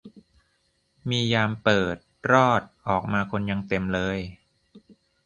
มียามเปิด รอด ออกมาคนยังเต็มเลย